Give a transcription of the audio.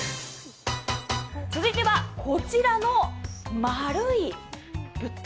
続いてはこちらの丸い物体。